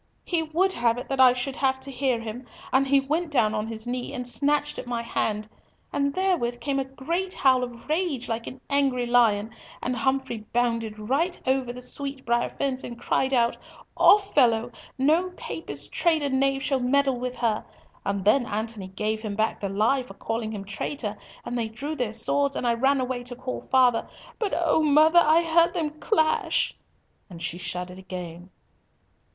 "He would have it that I should have to hear him, and he went down on his knee, and snatched at my hand. And therewith came a great howl of rage like an angry lion, and Humfrey bounded right over the sweetbrier fence, and cried out, 'Off, fellow! No Papist traitor knave shall meddle with her.' And then Antony gave him back the lie for calling him traitor, and they drew their swords, and I ran away to call father, but oh! mother, I heard them clash!" and she shuddered again.